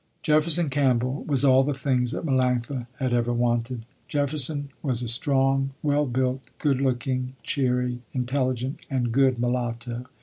Jefferson Campbell was all the things that Melanctha had ever wanted. Jefferson was a strong, well built, good looking, cheery, intelligent and good mulatto.